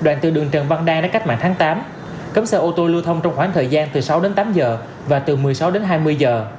đoạn từ đường trần văn đang đến cách mạng tháng tám cấm xe ô tô lưu thông trong khoảng thời gian từ sáu đến tám giờ và từ một mươi sáu đến hai mươi giờ